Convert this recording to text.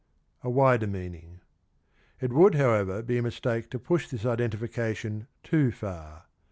A wider It would, howcvcr, be a mistake to push this identi fication too far.